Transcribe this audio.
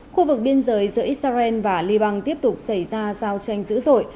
khu vực biên giới giữa israel và liban tiếp tục xảy ra giao tranh dữ dội